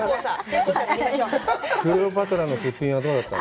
クレオパトラのすっぴんはどうだったの？